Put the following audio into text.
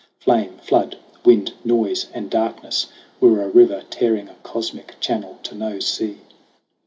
Flame, flood, wind, noise and darkness were a river Tearing a cosmic channel to no sea.